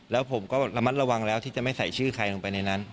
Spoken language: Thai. แล้วผมก็ระมัดระวังแล้วที่จะไม่ใส่ชื่อใครลงไปในนั้น